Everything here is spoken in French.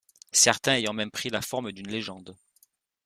Certains ayant même pris la forme d'une légende.